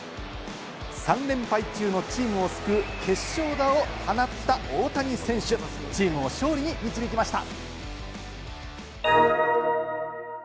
３連敗中のチームを救う決勝打を放った大谷選手、チームを勝利に導きました。